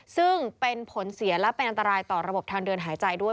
ซึ่งเป็นผลเสียและเป็นอันตรายต่อระบบทางเดินหายใจด้วย